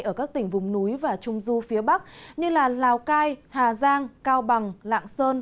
ở các tỉnh vùng núi và trung du phía bắc như lào cai hà giang cao bằng lạng sơn